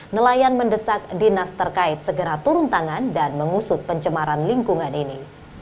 nelayan mendesak dinas terkait segera turun tangan dan mengusut pencemaran lingkungan ini